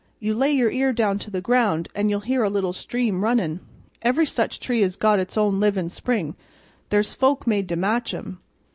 You lay your ear down to the ground an' you'll hear a little stream runnin'. Every such tree has got its own livin' spring; there's folk made to match 'em."